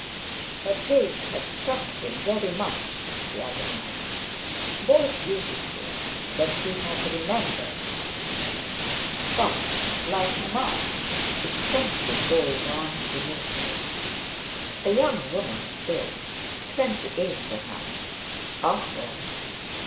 Her face had struck him very much the other night—more beautiful than he had remembered, but like a mask, with something going on beneath it. A young woman still—twenty eight perhaps. Ah, well!